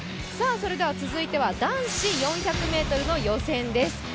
続いては男子４００ｍの予選です。